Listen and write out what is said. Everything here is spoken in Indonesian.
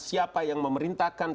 siapa yang memerintahkan